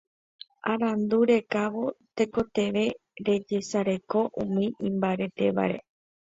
Arandu rekávo tekotevẽ rejesareko umi imbaretévare